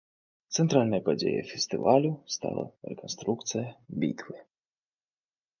Цэнтральнай падзеяй фестывалю стала рэканструкцыя бітвы.